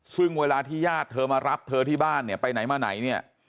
ซึ่งเวลาที่ญาติเธอมารับเธอที่บ้านเนี่ยไปไหนมาไหนเนี่ย